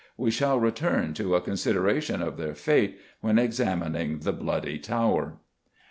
We shall return to a consideration of their fate when examining the Bloody Tower.